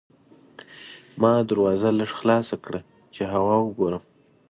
ما دروازه لږه خلاصه کړه چې هوا وګورم.